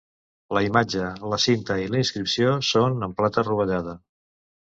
La imatge, la cinta i la inscripció són en plata rovellada.